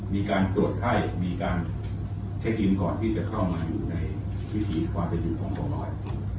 มีการตรวจไข้มีการเช็คอินก่อนที่จะเข้ามาอยู่ในวิธีความเป็นอยู่ของตัวน้อย